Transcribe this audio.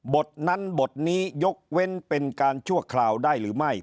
บทนั้นบทนี้ยกเว้นเป็นการชั่วคราวได้หรือไม่